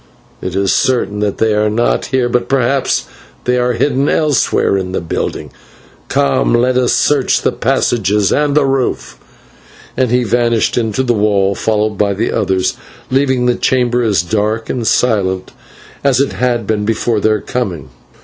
It is certain that they are not here, but perhaps they are hidden elsewhere in the building. Come, let us search the passages and the roof," and he vanished into the wall, followed by the others, leaving the chamber as dark and silent as it had been before their coming.